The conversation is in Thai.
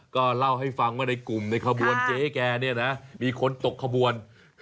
ก็เล่าให้ฟังว่าในกลุ่มในขบวนเจ๊แกเนี่ยนะมีคนตกขบวน